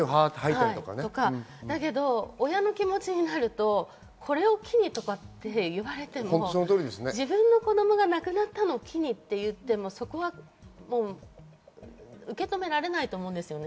親の気持ちになるとこれを機にとかって言われても、自分の子供が亡くなったのを機にって言っても、受け止められないと思います。